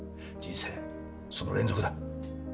人生その連続だ。